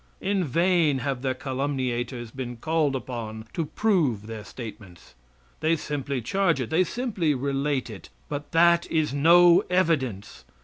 In vain have their calumniators been called upon to prove their statements. They simply charge it, they simply relate it, but that is no evidence.